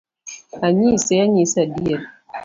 Anyise anyisa adier